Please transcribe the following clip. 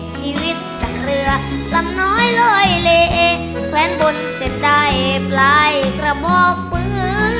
ชีวิตจากเรือลำน้อยลอยเลแขวนบนเสร็จได้ปลายกระบอกปื้อ